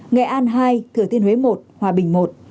nghệ an hai thừa thiên huế một hòa bình i